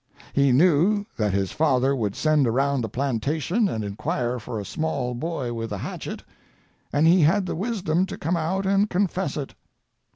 He knew that his father would send around the plantation and inquire for a small boy with a hatchet, and he had the wisdom to come out and confess it.